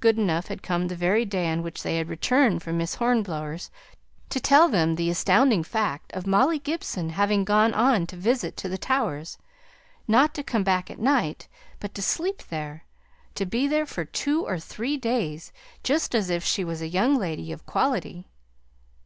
Goodenough had called the very day on which they had returned from Miss Hornblower's, to tell them the astounding fact of Molly Gibson having gone on a visit to the Towers; not to come back at night, but to sleep there, to be there for two or three days, just as if she was a young lady of quality.